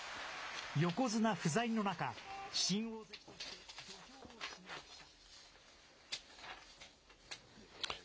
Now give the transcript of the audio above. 横綱不在の中、新大関として土俵を締めました。